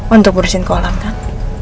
untuk urusin kolam kan